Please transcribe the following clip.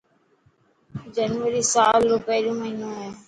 جنوري سلا رو پهريون مهينو هي.